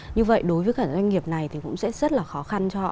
như vậy đối với cả doanh nghiệp này thì cũng sẽ rất là khó khăn cho họ